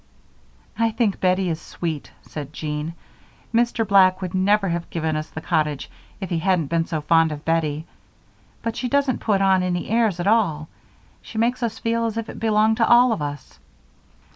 "I think Bettie is sweet," said Jean. "Mr. Black would never have given us the cottage if he hadn't been so fond of Bettie; but she doesn't put on any airs at all. She makes us feel as if it belonged to all of us."